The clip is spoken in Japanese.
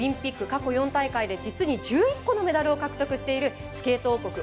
そして佐藤綾乃選手が登場オリンピック過去４大会で実に１１個のメダルを獲得しているスケート王国